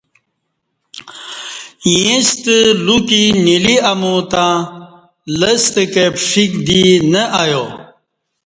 ییں ستہ لوکی نِیلی امو تہ لستہ کہ پݜیک دی نہ ایا